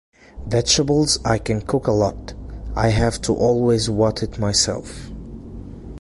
Vegetables I can cook a lot, I have to always wat it myself.